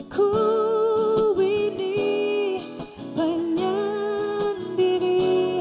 ku ini penyendiri